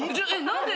何で？